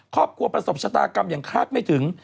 ครอบครัวประสบชะตากรรมอย่างคาดไม่ถึง